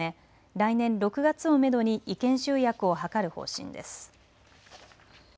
来年６月をめどに意見集約を図る方針です。